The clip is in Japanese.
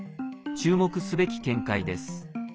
注目すべき見解です。